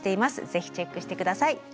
ぜひチェックして下さい。